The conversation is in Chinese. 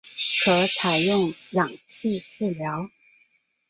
可采用氧气治疗。